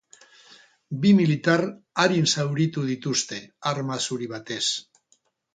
Bi militar arin zauritu dituzte, arma zuri batez.